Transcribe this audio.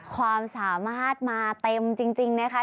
ความสามารถมาเต็มจริงนะคะ